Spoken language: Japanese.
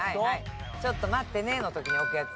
ちょっと待ってねの時に置くやつ。